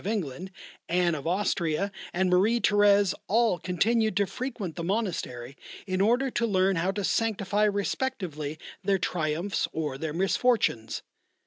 of England, Anne of Austria, and Marie Thérèse, all continued to frequent the monastery in order to learn how to sanctify respectively their triumphs or their misfortunes.